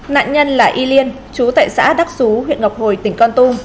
nạn nhân là y liên trú tại xã đắc xú huyện ngọc hồi tỉnh con tu